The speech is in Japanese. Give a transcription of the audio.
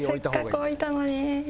せっかく置いたのに。